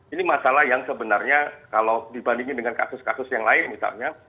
ini masalah yang sebenarnya kalau dibandingin dengan kasus kasus yang lain misalnya